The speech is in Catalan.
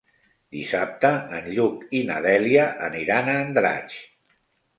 Dissabte en Lluc i na Dèlia aniran a Andratx.